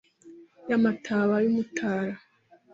y'amataba y'umutara